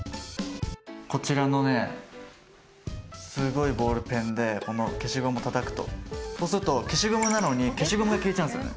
こちらのねすごいボールペンでこの消しゴムたたくとそうすると消しゴムなのに消しゴムが消えちゃうんですよね。